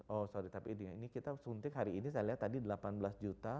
oh sorry tapi ini kita suntik hari ini saya lihat tadi delapan belas juta